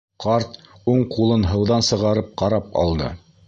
Ҡарт уң ҡулын һыуҙан сығарып ҡарап алды: